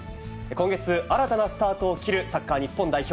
今月、新たなスタートを切るサッカー日本代表。